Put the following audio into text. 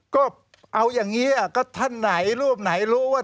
ก็เอาอย่างนี้ก็ท่านลูกไม่รู้ว่า